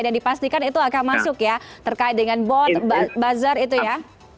dipastikan itu akan masuk ya terkait dengan bot buzzer itu ya